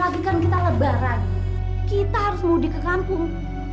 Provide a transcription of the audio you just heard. apalagi kan kita lebaran kita harus mudik ke kampung